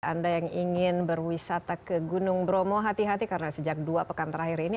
anda yang ingin berwisata ke gunung bromo hati hati karena sejak dua pekan terakhir ini